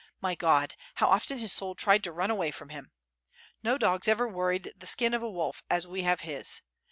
My God! how often his soul tried to run away from him! No dogs ever worried the skin of a wolf as we have his.